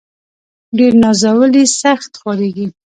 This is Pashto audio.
ډير نازولي ، سخت خوارېږي.